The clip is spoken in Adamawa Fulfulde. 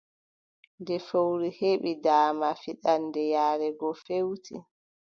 Nde fowru heɓi daama, fiɗaande yaare go feewti,